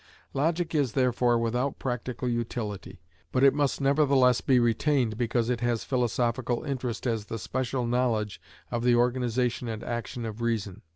Logic is, therefore, without practical utility; but it must nevertheless be retained, because it has philosophical interest as the special knowledge of the organisation and action of reason.